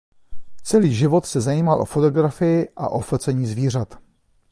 Celý život se zajímal o fotografii a o focení zvířat.